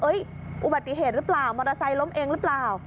อุบัติเหตุหรือเปล่ามอเตอร์ไซค์ล้มเองหรือเปล่า